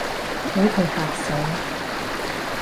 畀佢嚇死